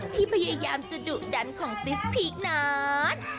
ที่พยายามจะดุดันของซิสพีคนั้น